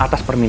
ada orang yang